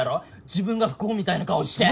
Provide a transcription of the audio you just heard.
自分が不幸みたいな顔して！